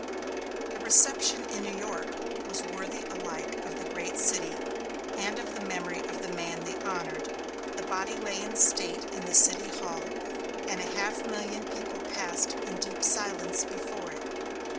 The reception in New York was worthy alike of the great city and of the memory of the man they honored. The body lay in state in the City Hall, and a half million people passed in deep silence before it.